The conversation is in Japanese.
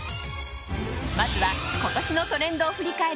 まずは今年のトレンドを振り返る